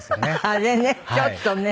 あれねちょっとね。